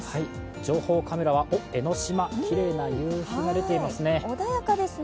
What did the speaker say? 情報カメラは江の島、きれいな夕日が出ていますね。